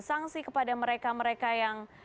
sanksi kepada mereka mereka yang